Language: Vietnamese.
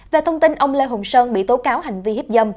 về thông tin ông lê hùng sơn bị tố cáo hành vi hiếp dâm